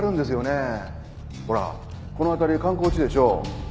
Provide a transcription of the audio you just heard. ほらこの辺り観光地でしょ。